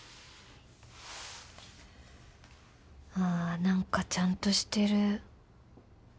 あ何かちゃんとしてる